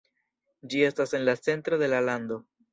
Ĝi estas en la centro de la lando.